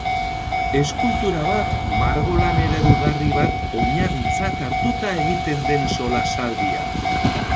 Eskultura bat, margolan eredugarri bat oinarritzat hartuta egiten den solasaldia.